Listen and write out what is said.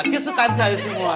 kesukaan saya semua